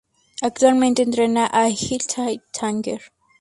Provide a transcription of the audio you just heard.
Actualmente entrena al Ittihad Tanger.